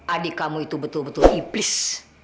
adik kamu itu betul betul iplis